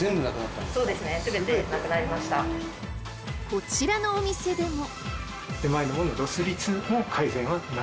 こちらのお店でも。